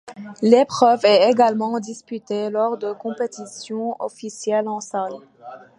L'épreuve est également disputée lors de compétitions officielles en salle.